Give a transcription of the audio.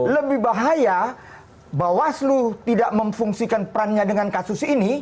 lebih bahaya bawaslu tidak memfungsikan perannya dengan kasus ini